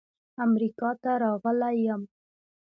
امریکا ته راغلی یم.